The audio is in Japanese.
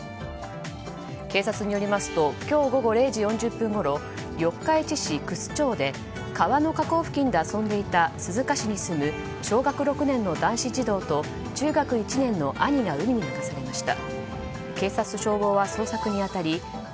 警察によりますと今日午後０時４０分ごろ四日市市楠町で川の河口付近で遊んでいた鈴鹿市に住む小学６年の男子児童と中学１年の兄が海に流されました。